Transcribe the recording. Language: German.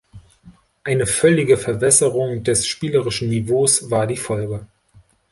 Eine völlige Verwässerung des spielerischen Niveaus war die Folge.